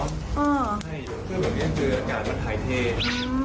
ไม่เลยเพิ่มแค่เป็นเกลืออากาศมันหายเพลง